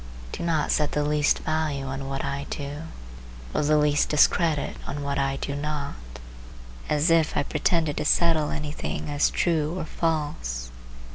Do not set the least value on what I do, or the least discredit on what I do not, as if I pretended to settle any thing as true or false.